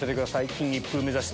金一封目指して。